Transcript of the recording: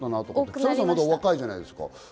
草野さん、まだお若いじゃないですか？